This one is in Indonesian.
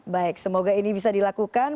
baik semoga ini bisa dilakukan